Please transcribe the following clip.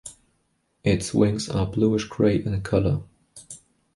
Its wings are bluish-gray in color.